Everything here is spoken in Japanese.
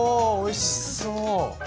おおいしそう！